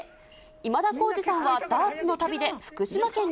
今田耕司さんはダーツの旅で福島県に。